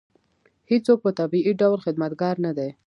هېڅوک په طبیعي ډول خدمتګار نه دی.